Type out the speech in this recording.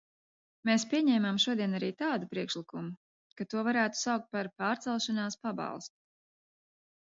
Mēs pieņēmām šodien arī tādu priekšlikumu, ka to varētu saukt par pārcelšanās pabalstu.